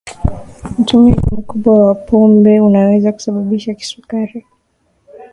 utumiaji mkubwa wa pombe unaweza kusababisha kisukari